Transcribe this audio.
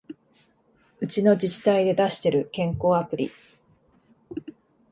うちの自治体で出してる健康アプリ